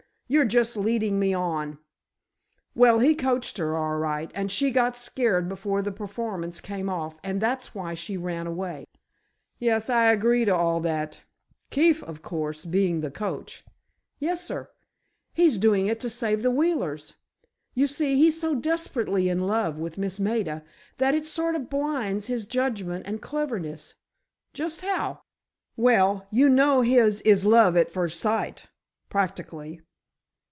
You're just leading me on! Well, he coached her, all right, and she got scared before the performance came off and that's why she ran away." "Yes, I agree to all that. Keefe, of course, being the coach." "Yessir. He doing it, to save the Wheelers. You see, he's so desperately in love with Miss Maida, that it sort of blinds his judgment and cleverness." "Just how?" "Well, you know his is love at first sight—practically."